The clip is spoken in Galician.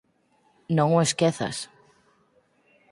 Non o esquezas.